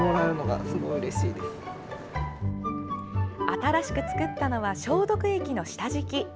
新しく作ったのは消毒液の下敷き。